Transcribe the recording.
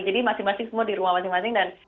jadi masing masing semua di rumah masing masing